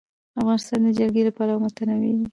افغانستان د جلګه له پلوه متنوع دی.